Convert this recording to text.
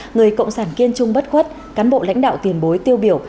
người cộng sản kiên trung bất khuất cán bộ lãnh đạo tiền bối tiêu biểu